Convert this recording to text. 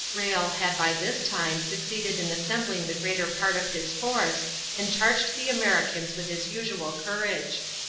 Rhalle had by this time succeeded in assembling the greater part of his force and charged the Americans with his usual courage.